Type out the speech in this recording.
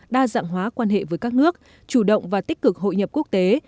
đa dạng hóa quan hệ với các nước chủ động và tích cực hội nhập quốc tế